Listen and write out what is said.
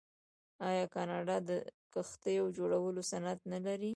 آیا کاناډا د کښتیو جوړولو صنعت نلري؟